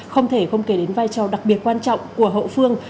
không thể không kể đến vai trò đặc biệt quan trọng của hậu phương